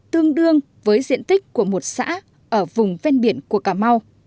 tương đương với diện tích của một xã ở vùng ven biển của cà mau